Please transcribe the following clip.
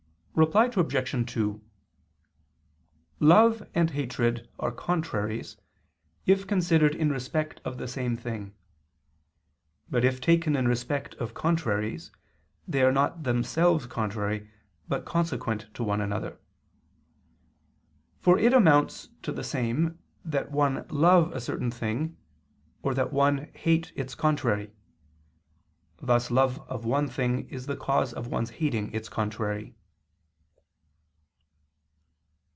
Reply Obj. 2: Love and hatred are contraries if considered in respect of the same thing. But if taken in respect of contraries, they are not themselves contrary, but consequent to one another: for it amounts to the same that one love a certain thing, or that one hate its contrary. Thus love of one thing is the cause of one's hating its contrary.